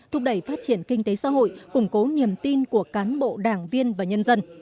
thúc đẩy phát triển kinh tế xã hội củng cố niềm tin của cán bộ đảng viên và nhân dân